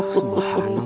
bapak yang naik